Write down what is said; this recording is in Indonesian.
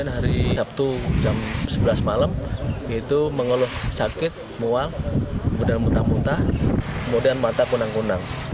hari sabtu jam sebelas malam itu mengeluh sakit mual kemudian muntah muntah kemudian mata kunang kunang